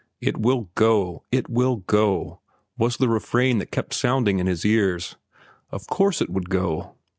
"It will go! It will go!" was the refrain that kept sounding in his ears. Of course it would go.